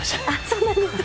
そうなんですよ。